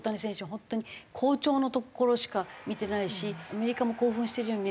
本当に好調のところしか見てないしアメリカも興奮してるように見える。